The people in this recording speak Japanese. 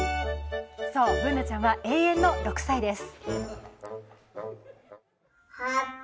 そう、Ｂｏｏｎａちゃんは永遠の６歳です